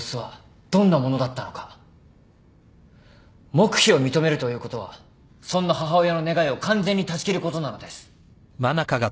黙秘を認めるということはそんな母親の願いを完全に断ち切ることなのです。